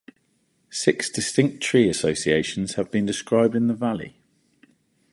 Six distinct tree associations have been described in the valley.